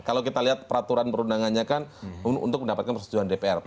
kalau kita lihat peraturan perundangannya kan untuk mendapatkan persetujuan dpr